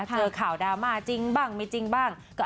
เจอข่าวดราม่าจริงบ้างไม่จริงบ้าง